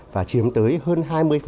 và chiếm tới hơn hai mươi